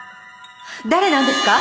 誰なんですか！？